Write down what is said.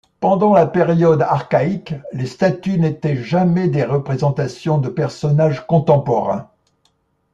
Pendant la période archaïque, les statues n'étaient jamais des représentations de personnages contemporains.